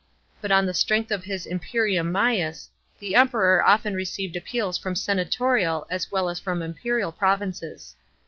But on the strength of his imperium mains the Emperor often received appeals from senatorial as well as from imperial provinces.